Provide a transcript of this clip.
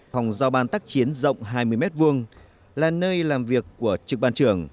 phòng giao ban tác chiến rộng hai mươi m hai là nơi làm việc của trực ban trưởng